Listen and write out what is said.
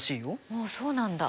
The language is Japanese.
ああそうなんだ。